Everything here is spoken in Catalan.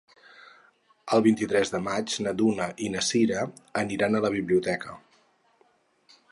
El vint-i-tres de maig na Duna i na Sira aniran a la biblioteca.